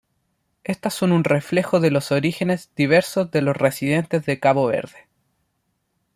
Estas son un reflejo de los orígenes diversos de los residentes de Cabo Verde.